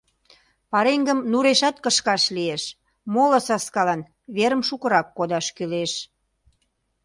Пареҥгым нурешат кышкаш лиеш, моло саскалан верым шукырак кодаш кӱлеш.